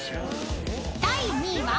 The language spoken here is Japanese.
［第２位は？］